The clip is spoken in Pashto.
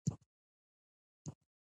د ایران خلک میلمه دوست دي.